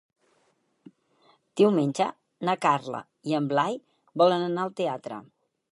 Diumenge na Carla i en Blai volen anar al teatre.